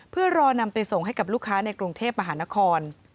เพื่อรอนำไปส่งให้กับลูกค้าในกรุงเทพมหานคร